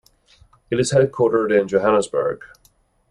It is headquartered in Johannesburg.